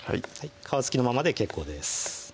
皮付きのままで結構です